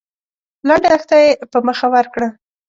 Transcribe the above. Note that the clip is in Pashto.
لنډه دښته يې په مخه ورکړه.